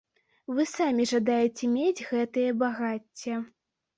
Вы самі жадаеце мець гэтае багацце.